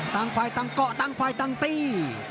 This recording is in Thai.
ต่างไฟยาตร์ต่างกะต่างฝ่ายต่างตี